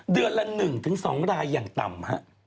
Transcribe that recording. เดือนละ๑๒รายอย่างต่ำฮะ